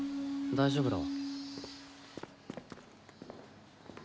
大丈夫ら。